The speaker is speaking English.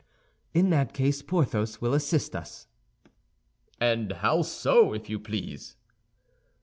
"In that case Porthos will assist us." "And how so, if you please?"